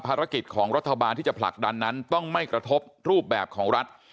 ภารกิจของรัฐบาลที่จะผลักดันนั้นต้องไม่กระทบรูปแบบของรัฐ